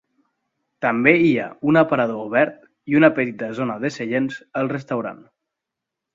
També hi ha un aparador obert i una petita zona de seients al restaurant.